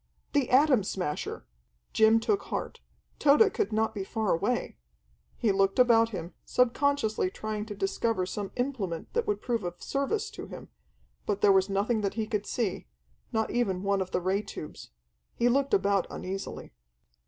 The Atom Smasher! Jim took heart. Tode could not be far away! He looked about him, subconsciously trying to discover some implement that would prove of service to him, but there was nothing that he could see, not even one of the ray tubes. He looked about uneasily.